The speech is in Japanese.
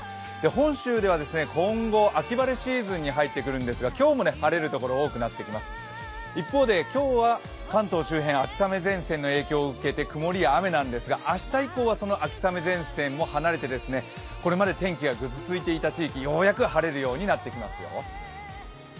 本州では今後、秋晴れシーズンに入ってくるんですが今日も晴れる所、多くなってきます一方で、今日は関東周辺秋雨前線の影響を受けて曇りや雨なんですが、明日以降は、その秋雨前線も離れてこれまで天気がぐずついていた地域、ようやく晴れるようになってきますよ。